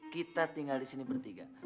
kita tinggal disini bertiga